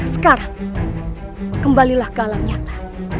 sekarang kembalilah ke alam nyata